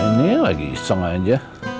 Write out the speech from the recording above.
ini lagi iseng aja